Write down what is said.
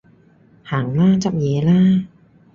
行啦，執嘢啦